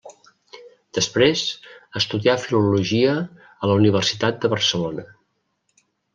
Després estudia filologia a la Universitat de Barcelona.